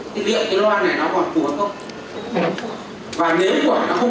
thì điện cái loa này nó còn phù hợp không